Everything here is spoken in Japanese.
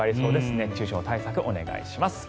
熱中症対策、お願いします。